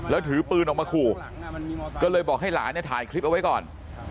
แล้วถือปืนออกมาขู่ก็เลยบอกให้หลานเนี่ยถ่ายคลิปเอาไว้ก่อน